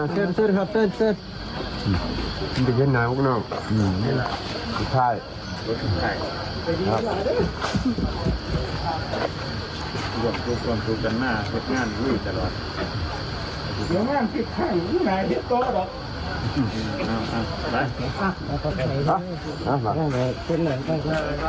สุดท้าย